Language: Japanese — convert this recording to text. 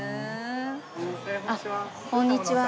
あっこんにちは。